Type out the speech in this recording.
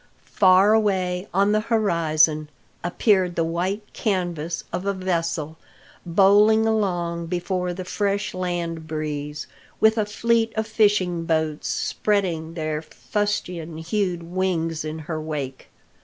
Far away on the horizon appeared the white canvas of a vessel bowling along before the fresh land breeze, with a fleet of fishing boats spreading their fustian hued wings in her wake.